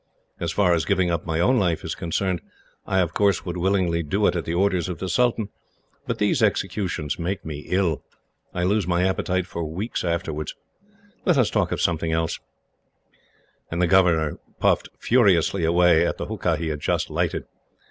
As far as giving up my own life is concerned, I would willingly do it at the orders of the sultan, but these executions make me ill. I lose my appetite for weeks afterwards. Let us talk of something else." And the governor puffed furiously away at the hookah he had just lighted.